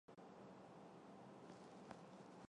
是投资和旅游的黄金地段。